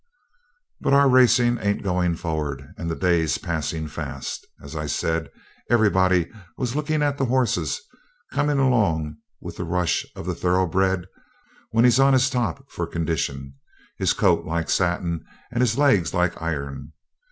But our racing ain't going forward, and the day's passing fast. As I said, everybody was looking at the horses coming along with the rush of the thoroughbred when he's 'on his top' for condition; his coat like satin, and his legs like iron.